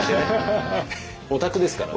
オタクですからね。